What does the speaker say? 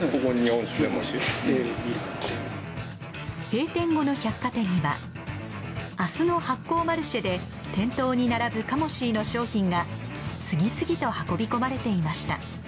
閉店後の百貨店には明日の発酵マルシェで店頭に並ぶカモシーの商品が次々と運び込まれていました。